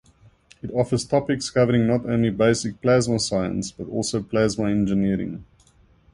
It offers topics covering not only basic plasma science but also plasma engineering.